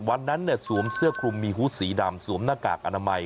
วันนั้นสวมเสื้อคลุมมีฮูตสีดำสวมหน้ากากอนามัย